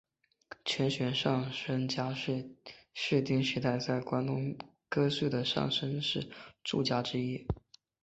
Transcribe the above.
犬悬上杉家是室町时代在关东地方割据的上杉氏诸家之一。